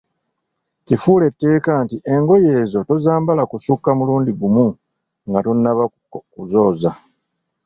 Kifuule tteeka nti engoye ezo tozambala kusukka mulundi gumu nga tonnaba kuzooza.